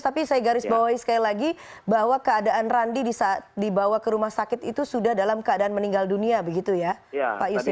tapi saya garis bawahi sekali lagi bahwa keadaan randi dibawa ke rumah sakit itu sudah dalam keadaan meninggal dunia begitu ya pak yusri